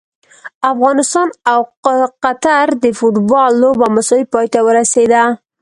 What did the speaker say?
افغانستان او قطر د فوټبال لوبه مساوي پای ته ورسیده!